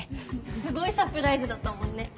すごいサプライズだったもんね。